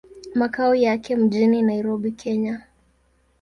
Makao yake mjini Nairobi, Kenya.